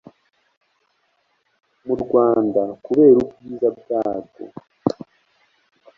mu rwanda kubera ubwiza bwarwo